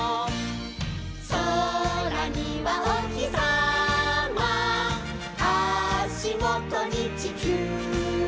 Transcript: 「そらにはおひさま」「あしもとにちきゅう」